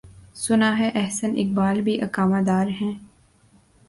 سناہے احسن اقبال بھی اقامہ دارہیں۔